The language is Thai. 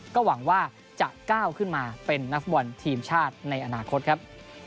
ก็หวังว่าจะก้าวขึ้นมาเป็นนักฟุตบอลทีมชาติในอนาคตครับ